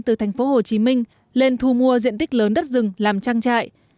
từ thành phố hồ chí minh lên thu mua diện tích lớn đất rừng làm trang trại